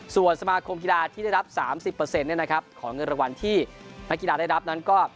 ส่วนสมาคมกีฬาที่ได้รับสามสิบเปอร์เซ็นต์เนี่ยนะครับของเงินรางวัลที่นักกีฬาได้รับนั้นก็